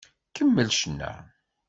Kemmel ccna!